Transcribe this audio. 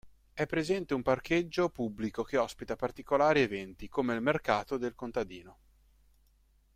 È presente un parcheggio pubblico che ospita particolari eventi come il mercato del contadino.